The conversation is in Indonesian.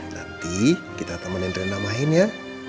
nanti kita temenin renda main ya